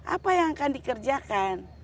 apa yang akan dikerjakan